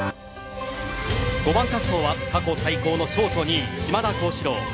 ５番滑走は過去最高のショート２位、島田高志郎